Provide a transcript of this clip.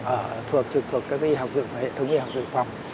ở thuộc trực thuộc các y học rượu và hệ thống y học rượu phòng